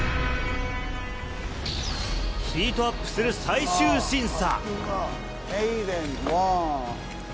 ヒートアップする最終審査。